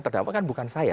terdapatkan bukan saya